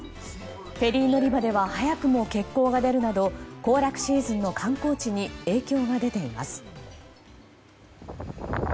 フェリー乗り場では早くも欠航が出るなど行楽シーズンの観光地に影響が出ています。